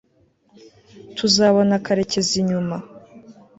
tuzabona karekezi nyuma